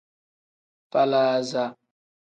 Falaasa.